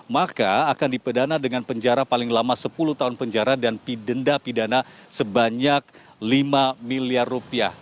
maka akan dipedana dengan penjara paling lama sepuluh tahun penjara dan pidenda pidana sebanyak lima miliar rupiah